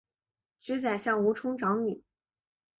娶宰相吴充长女。